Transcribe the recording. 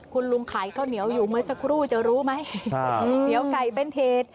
คุณลุงขายเขาเหนียวอยู่เหมือนสกรู่จะรู้ไหม